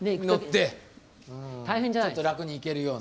ちょっと楽に行けるような。